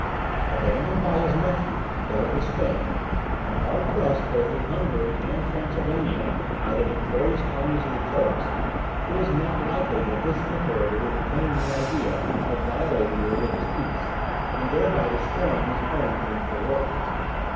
Abandoned by his nephew, Philip of Spain, and hard pressed both in Hungary and Transylvania by the victorious armies of the Turks, it was not likely that this emperor would entertain the idea of violating the religious peace, and thereby destroying his own painful work.